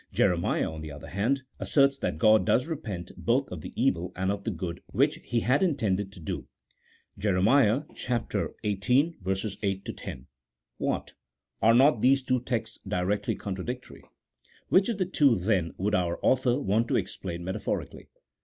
Jeremiah, on the other hand, asserts that God does repent, both of the evil and of the good which He had intended to do (Jer. xviii. 8 10). What? Are not these two texts directly contradictory? Which of the two, then, would our author want to explain metaphorically